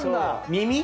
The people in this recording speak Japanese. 耳⁉